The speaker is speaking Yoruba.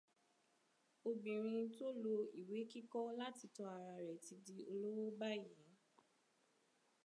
Obìnrin tó ló ìwé kíkọ́ láti tọ́ ara rẹ ti di olówó báyìí